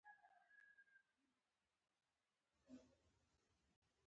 قوت ټینګاوه.